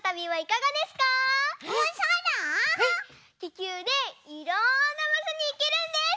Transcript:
ききゅうでいろんなばしょにいけるんです！